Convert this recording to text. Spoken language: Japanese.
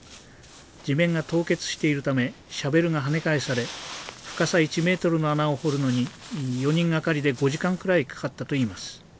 地面が凍結しているためシャベルがはね返され深さ１メートルの穴を掘るのに４人掛かりで５時間くらいかかったといいます。